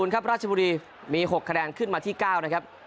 ครับราชบุรีมี๖คะแนนขึ้นมาที่๙นะครับ